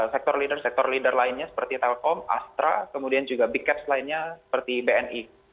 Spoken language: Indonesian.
sektor leader sektor leader lainnya seperti telkom astra kemudian juga big caps lainnya seperti bni